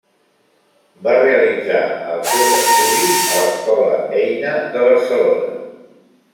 Va realitzar els seus estudis a l'Escola Eina de Barcelona.